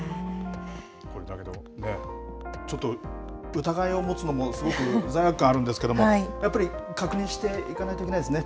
これ、だけど、ちょっと疑いを持つのもすごく罪悪感あるんですけれども、やっぱり確認していかないといけないですね。